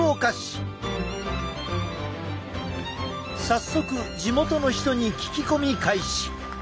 早速地元の人に聞き込み開始。